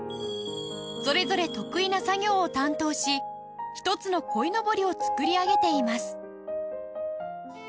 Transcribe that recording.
それぞれ得意な作業を担当し一つの鯉のぼりを作り上げています